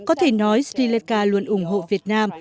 có thể nói sri lanka luôn ủng hộ việt nam